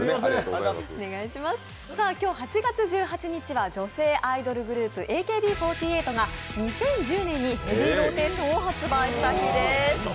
今日８月１８日は女性アイドルグループＡＫＢ４８が２０１０年に「ヘビーローテーション」を発売した日です。